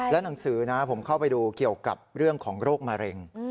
หนังสือนะผมเข้าไปดูเกี่ยวกับเรื่องของโรคมะเร็ง